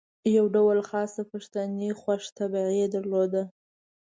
یو ډول خاصه پښتني خوش طبعي یې درلوده.